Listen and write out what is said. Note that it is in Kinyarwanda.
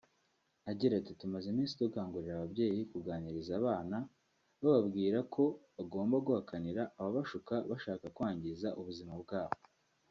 Agira ati “Tumaze iminsi dukangurira ababyeyi kuganiriza abana bababwira ko bagomba guhakanira ababashuka bashaka kwangiza ubuzima bwabo